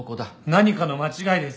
何かの間違いです。